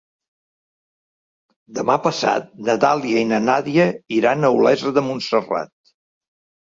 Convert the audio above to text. Demà passat na Dàlia i na Nàdia iran a Olesa de Montserrat.